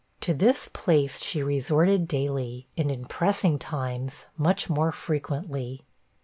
To this place she resorted daily, and in pressing times much more frequently.